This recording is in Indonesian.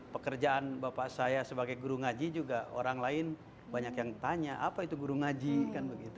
pekerjaan bapak saya sebagai guru ngaji juga orang lain banyak yang tanya apa itu guru ngaji kan begitu